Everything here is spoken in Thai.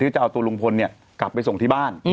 จะเอาตัวลุงพลกลับไปส่งที่บ้าน